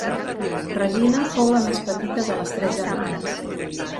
Regina fou la més petita de tres germanes.